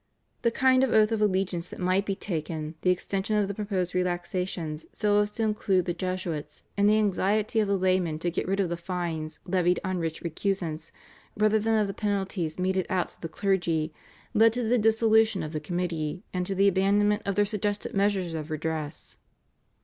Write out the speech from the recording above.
The kind of oath of allegiance that might be taken, the extension of the proposed relaxations so as to include the Jesuits, and the anxiety of the laymen to get rid of the fines levied on rich recusants rather than of the penalties meted out to the clergy, led to the dissolution of the committee, and to the abandonment of their suggested measures of redress.